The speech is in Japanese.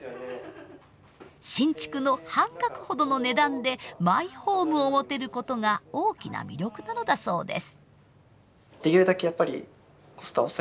新築の半額ほどの値段でマイホームを持てることが大きな魅力なのだそうです。